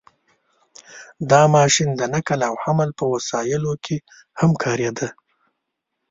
• دا ماشین د نقل او حمل په وسایلو کې هم کارېده.